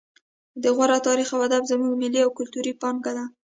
د غور تاریخ او ادب زموږ ملي او کلتوري پانګه ده